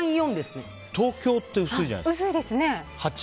東京って薄いじゃないですか。